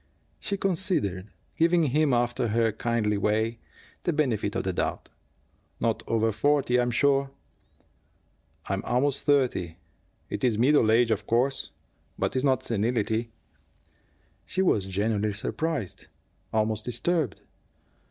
She considered, giving him, after her kindly way, the benefit of the doubt. "Not over forty, I'm sure." "I'm almost thirty. It is middle age, of course, but it is not senility." She was genuinely surprised, almost disturbed.